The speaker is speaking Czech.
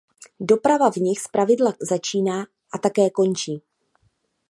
Doprava v nich zpravidla začíná a také končí.